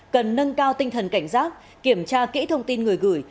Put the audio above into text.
cần nâng cao tinh thần cảnh giác kiểm tra kỹ thông tin người gửi